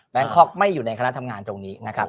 คอกไม่อยู่ในคณะทำงานตรงนี้นะครับ